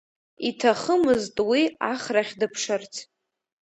Иҭахымызт уи ахрахь дыԥшырц.